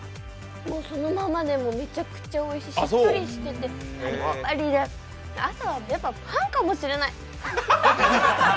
そのままでもめちゃくちゃおいしい、しっとりしててパリパリで朝はやっぱ、パンかもしれない。